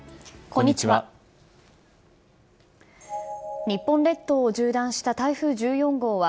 こんにちは。